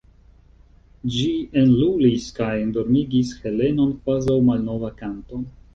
Ĝi enlulis kaj endormigis Helenon kvazaŭ malnova kanto.